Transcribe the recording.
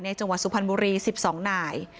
จังหวัดสุพรรณบุรี๑๒นาย